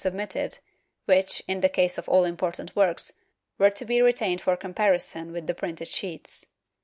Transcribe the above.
submitted, which, in the case of all important works, were to be retained for comparison with the printed sheets.